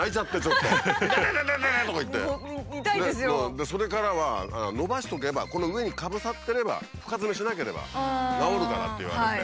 でそれからは「伸ばしとけばこの上にかぶさってれば深ヅメしなければ治るから」って言われて。